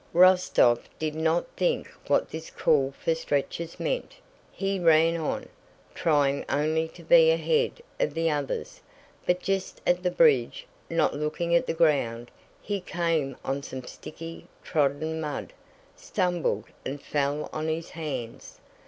Rostóv did not think what this call for stretchers meant; he ran on, trying only to be ahead of the others; but just at the bridge, not looking at the ground, he came on some sticky, trodden mud, stumbled, and fell on his hands.